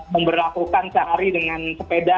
memperlakukan sehari dengan sepeda